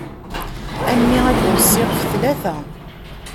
A mmi ad k-weṣṣiɣ ɣef tlata.